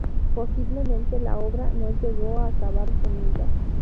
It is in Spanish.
Posiblemente la obra no llegó a acabarse nunca.